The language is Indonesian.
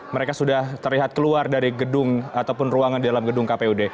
mereka sudah terlihat keluar dari gedung ataupun ruangan di dalam gedung kpud